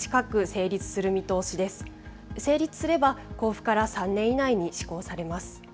成立すれば、公布から３年以内に施行されます。